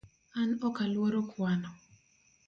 An ok aluoro kwano